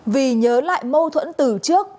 vì nhớ lại mâu thuẫn từ trước